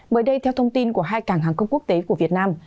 mới đây theo thông tin của hai cảng hàng không quốc tế của việt nam